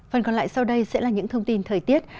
phần còn lại sau đây sẽ là những thông tin thời tiết